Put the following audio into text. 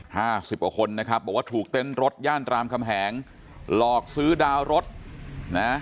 ห้าสิบกว่าคนนะครับบอกว่าถูกเต้นรถย่านรามคำแหงหลอกซื้อดาวรถนะ